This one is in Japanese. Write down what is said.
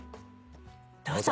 どうぞ。